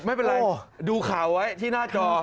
ไม่เป็นไรดูข่าวไว้ที่หน้าจอ